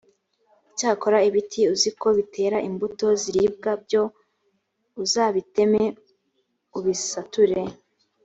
icyakora ibiti uzi ko bitera imbuto ziribwa, byo uzabiteme ubisature,